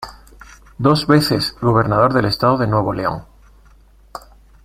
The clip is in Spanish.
Dos veces gobernador del estado de Nuevo León.